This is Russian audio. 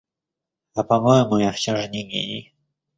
А по-моему, я всё же не гений.